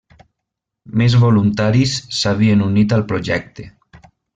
Més voluntaris s'havien unit al projecte.